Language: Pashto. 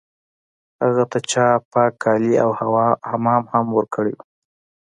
هغه ته چا پاک کالي او حمام هم ورکړی و